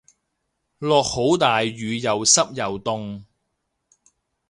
落好大雨又濕又凍